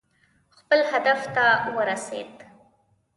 خپل هدف ته ورسېد.